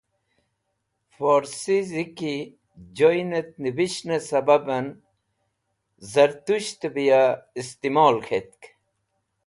Forsi ziki joy nevishnẽ sẽbabni zatushtẽ bẽ ya istimol k̃htk.